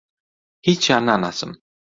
هیچیان ناناسم.